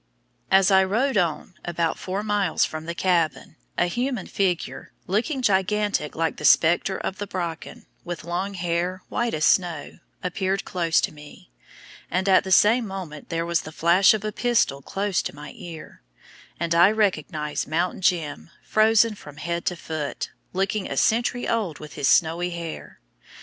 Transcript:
As I rode on, about four miles from the cabin, a human figure, looking gigantic like the spectre of the Brocken, with long hair white as snow, appeared close to me, and at the same moment there was the flash of a pistol close to my ear, and I recognized "Mountain Jim" frozen from head to foot, looking a century old with his snowy hair.